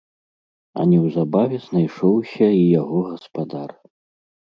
А неўзабаве знайшоўся і яго гаспадар.